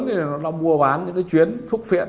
nó mua bán những cái chuyến phúc phiện